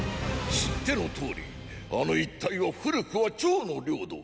知ってのとおりあの一帯は古くは趙の領土。